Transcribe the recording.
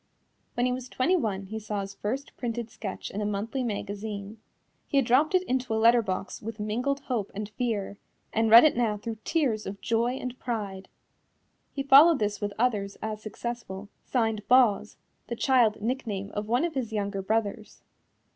When he was twenty one he saw his first printed sketch in a monthly magazine. He had dropped it into a letter box with mingled hope and fear, and read it now through tears of joy and pride. He followed this with others as successful, signed "Boz" the child nickname of one of his younger brothers.